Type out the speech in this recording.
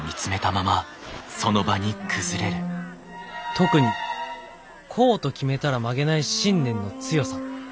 「特にこうと決めたら曲げない信念の強さ。